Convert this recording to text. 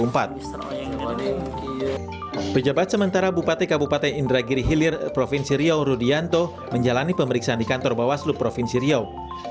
pejabat sementara bupati kabupaten indragiri hilir provinsi riau rudianto menjalani pemeriksaan di kantor bawaslu provinsi riau